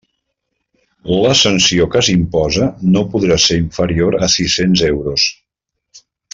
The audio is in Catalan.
La sanció que s'impose no podrà ser inferior a sis-cents euros.